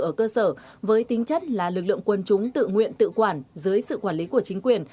ở cơ sở với tính chất là lực lượng quân chúng tự nguyện tự quản dưới sự quản lý của chính quyền